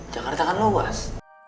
jangan ada tangan lo was